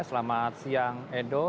selamat siang edo